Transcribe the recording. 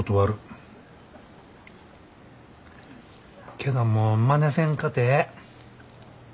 けどもうまねせんかてええ。